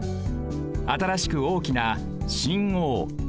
新しく大きな新大橋。